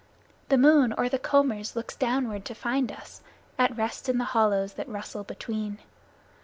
The moon, o'er the combers, looks downward to find us At rest in the hollows that rustle between.